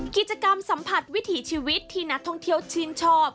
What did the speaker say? กิจกรรมสัมผัสวิถีชีวิตที่นักท่องเที่ยวชื่นชอบ